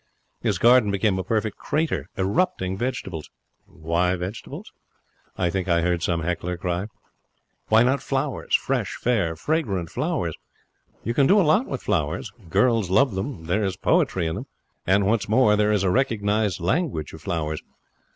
His garden became a perfect crater, erupting vegetables. Why vegetables? I think I hear some heckler cry. Why not flowers fresh, fair, fragrant flowers? You can do a lot with flowers. Girls love them. There is poetry in them. And, what is more, there is a recognized language of flowers.